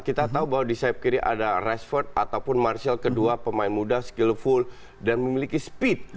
kita tahu bahwa di sayap kiri ada rashford ataupun martial kedua pemain muda skillful dan memiliki speed